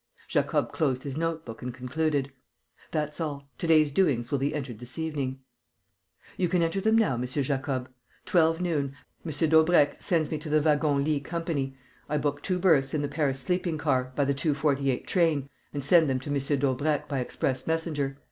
Jacob closed his note book and concluded: "That's all. To day's doings will be entered this evening." "You can enter them now, M. Jacob. '12 noon. M. Daubrecq sends me to the Wagon Lits Co. I book two berths in the Paris sleeping car, by the 2.48 train, and send them to M. Daubrecq by express messenger.